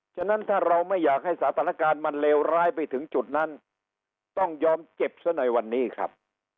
ฉะนั้นถ้าเราไม่อยากให้สถานการณ์มันเลวร้ายไปถึงจุดนั้นต้องยอมเจ็บซะในวันนี้ครับ